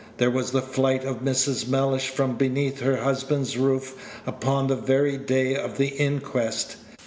There was the flight of Mrs. Mellish from beneath her husband's roof upon the very day of the inquest.